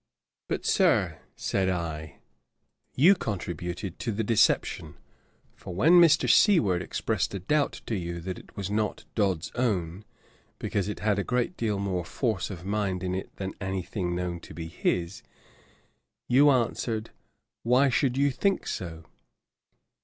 'But, Sir, (said I,) you contributed to the deception; for when Mr. Seward expressed a doubt to you that it was not Dodd's own, because it had a great deal more force of mind in it than any thing known to be his, you answered, "Why should you think so?